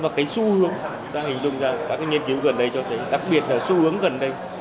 và cái xu hướng chúng ta hình dung ra các cái nghiên cứu gần đây cho thấy đặc biệt là xu hướng gần đây